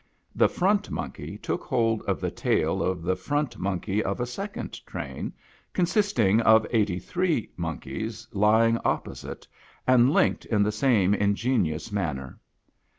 The front monkey took hold of the tail of the front monkey of £ second train, consisting of eighty three monkeys lying opposite, and linked in the same ingenious man ner.